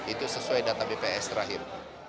itu sesuai data bps terakhir